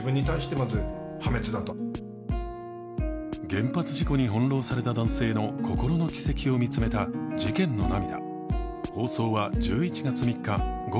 原発事故に翻弄された男性の心の軌跡を見つめた「事件の涙」。